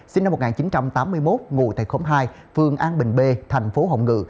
sinh năm một nghìn chín trăm tám mươi một ngụ tại khống hai phương an bình bê thành phố hồng ngự